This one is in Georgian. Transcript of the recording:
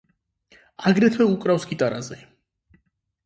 აგრეთვე უკრავს გიტარაზე.